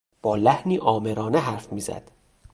با لحنی آمرانه حرف میزد.